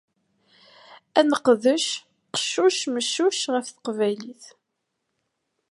Ad neqdec qeccuc meccuc af teqbaylit.